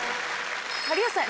有吉さん